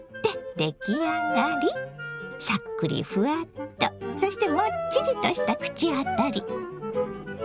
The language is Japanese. さっくりふわっとそしてもっちりとした口当たり。